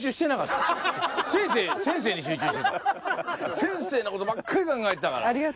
先生のことばっかり考えてたから。